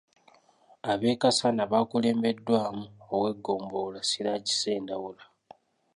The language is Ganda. Ab’e Kassanda baakulembeddwamu ow’eggombolola Siraje Ssendawula.